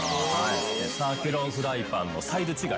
サーキュロンフライパンのサイズ違い。